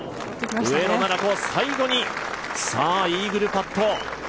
上野菜々子、最後にイーグルパット。